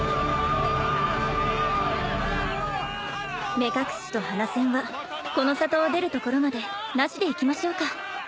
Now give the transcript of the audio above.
目隠しと鼻栓はこの里を出るところまでなしでいきましょうか。